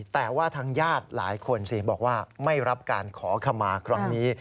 แต่ว่าทางญาติหลายคนสิบอกว่าไม่รับการขอขมาครั้งนี้